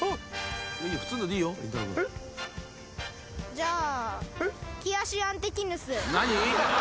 じゃあ。